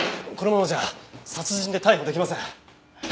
このままじゃ殺人で逮捕出来ません。